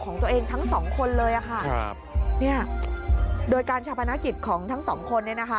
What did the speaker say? เนี่ยโดยการชาปนาคิดของทั้งสองคนเนี่ยนะคะ